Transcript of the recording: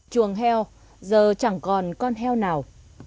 chuồng heo giờ chẳng còn con heo nào